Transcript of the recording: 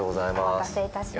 お待たせいたしました。